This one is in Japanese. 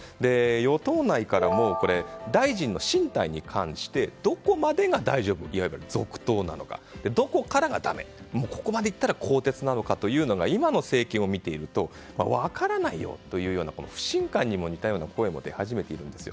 与党内からも大臣の進退に関してどこまでが大丈夫いわば続投なのかどこからがだめここまでいったら更迭なのかというのが今の政権を見ていると、分からないという不信感にも似た声も出始めています。